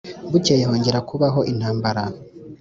Bukeye hongera kubaho intambara